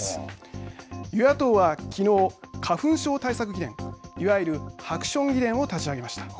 与野党はきのう、花粉症対策議連いわゆるハクション議連を立ち上げました。